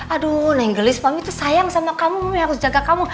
aduh nenggelis mami tuh sayang sama kamu mami harus jaga kamu